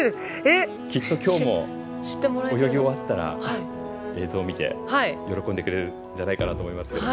きっときょうも泳ぎ終わったら映像を見て喜んでくれるんじゃないかなと思いますけれども。